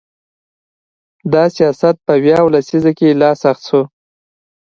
دا سیاست په ویاو لسیزه کې لا سخت شو.